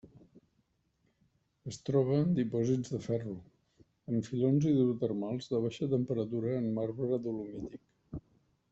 Es troba en dipòsits de ferro, en filons hidrotermals de baixa temperatura en marbre dolomític.